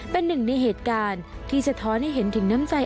เป็นหนึ่งในเหตุการณ์ที่สะท้อนให้เห็นถึงน้ำใจ